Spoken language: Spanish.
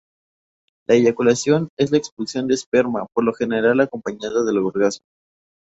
La eyaculación es la expulsión de esperma, por lo general acompañada del orgasmo.